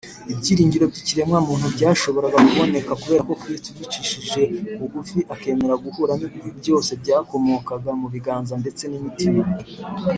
ibyiringiro by’ikiremwamuntu byashoboye kuboneka kubera ko kristo yicishije bugufi akemera guhura n’ibibi byose byakomokaga mu biganza ndetse n’imitima y’abantu